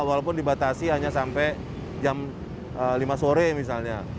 walaupun dibatasi hanya sampai jam lima sore misalnya